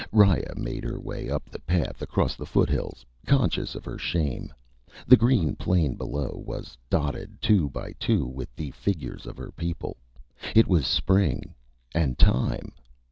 Riya made her way up the path across the foothills, conscious of her shame. The green plain below her was dotted, two by two, with the figures of her people. It was spring, and Time.